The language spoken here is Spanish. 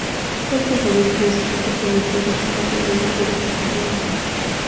Estas nubes, curiosamente, pueden adquirir la forma de una nube de explosión nuclear.